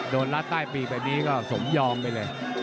รัดใต้ปีแบบนี้ก็สมยอมไปเลย